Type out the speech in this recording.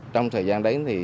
trong thời gian đấy